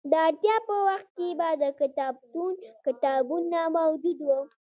د اړتیا په وخت به د کتابتون کتابونه موجود وو.